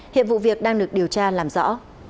hiệp vụ việc đang được điều tra làm rõ